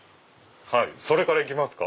それから行きますか。